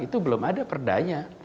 itu belum ada perdanya